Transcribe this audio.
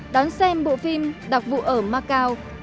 đón xem bộ phim đặc vụ ở macau